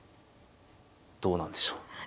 どうなんでしょう。